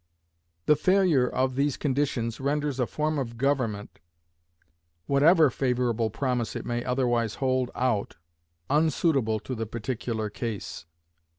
The failure of any of these conditions renders a form of government, whatever favorable promise it may otherwise hold out, unsuitable to the particular case.